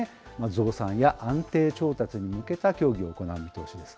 増産や安定調達に向けた協議を行う見通しです。